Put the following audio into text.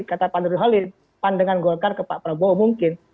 kata pak nurholil pandangan golkar ke pak prabowo mungkin